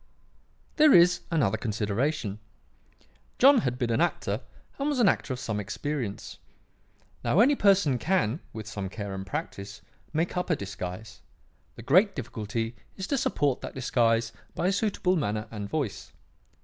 "There is another consideration. John had been an actor and was an actor of some experience. Now, any person can, with some care and practice, make up a disguise; the great difficulty is to support that disguise by a suitable manner and voice.